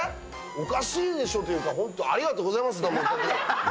おかしいでしょう。というか、本当、ありがとうございます。